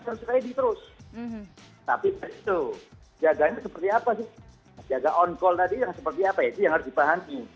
tapi itu jaganya seperti apa sih jaga on call tadi yang seperti apa itu yang harus dipahami